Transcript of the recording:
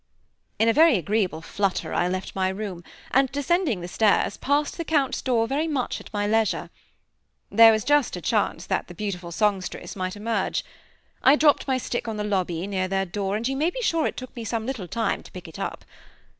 In a very agreeable flutter I left my room and, descending the stairs, passed the Count's door very much at my leisure. There was just a chance that the beautiful songstress might emerge. I dropped my stick on the lobby, near their door, and you may be sure it took me some little time to pick it up!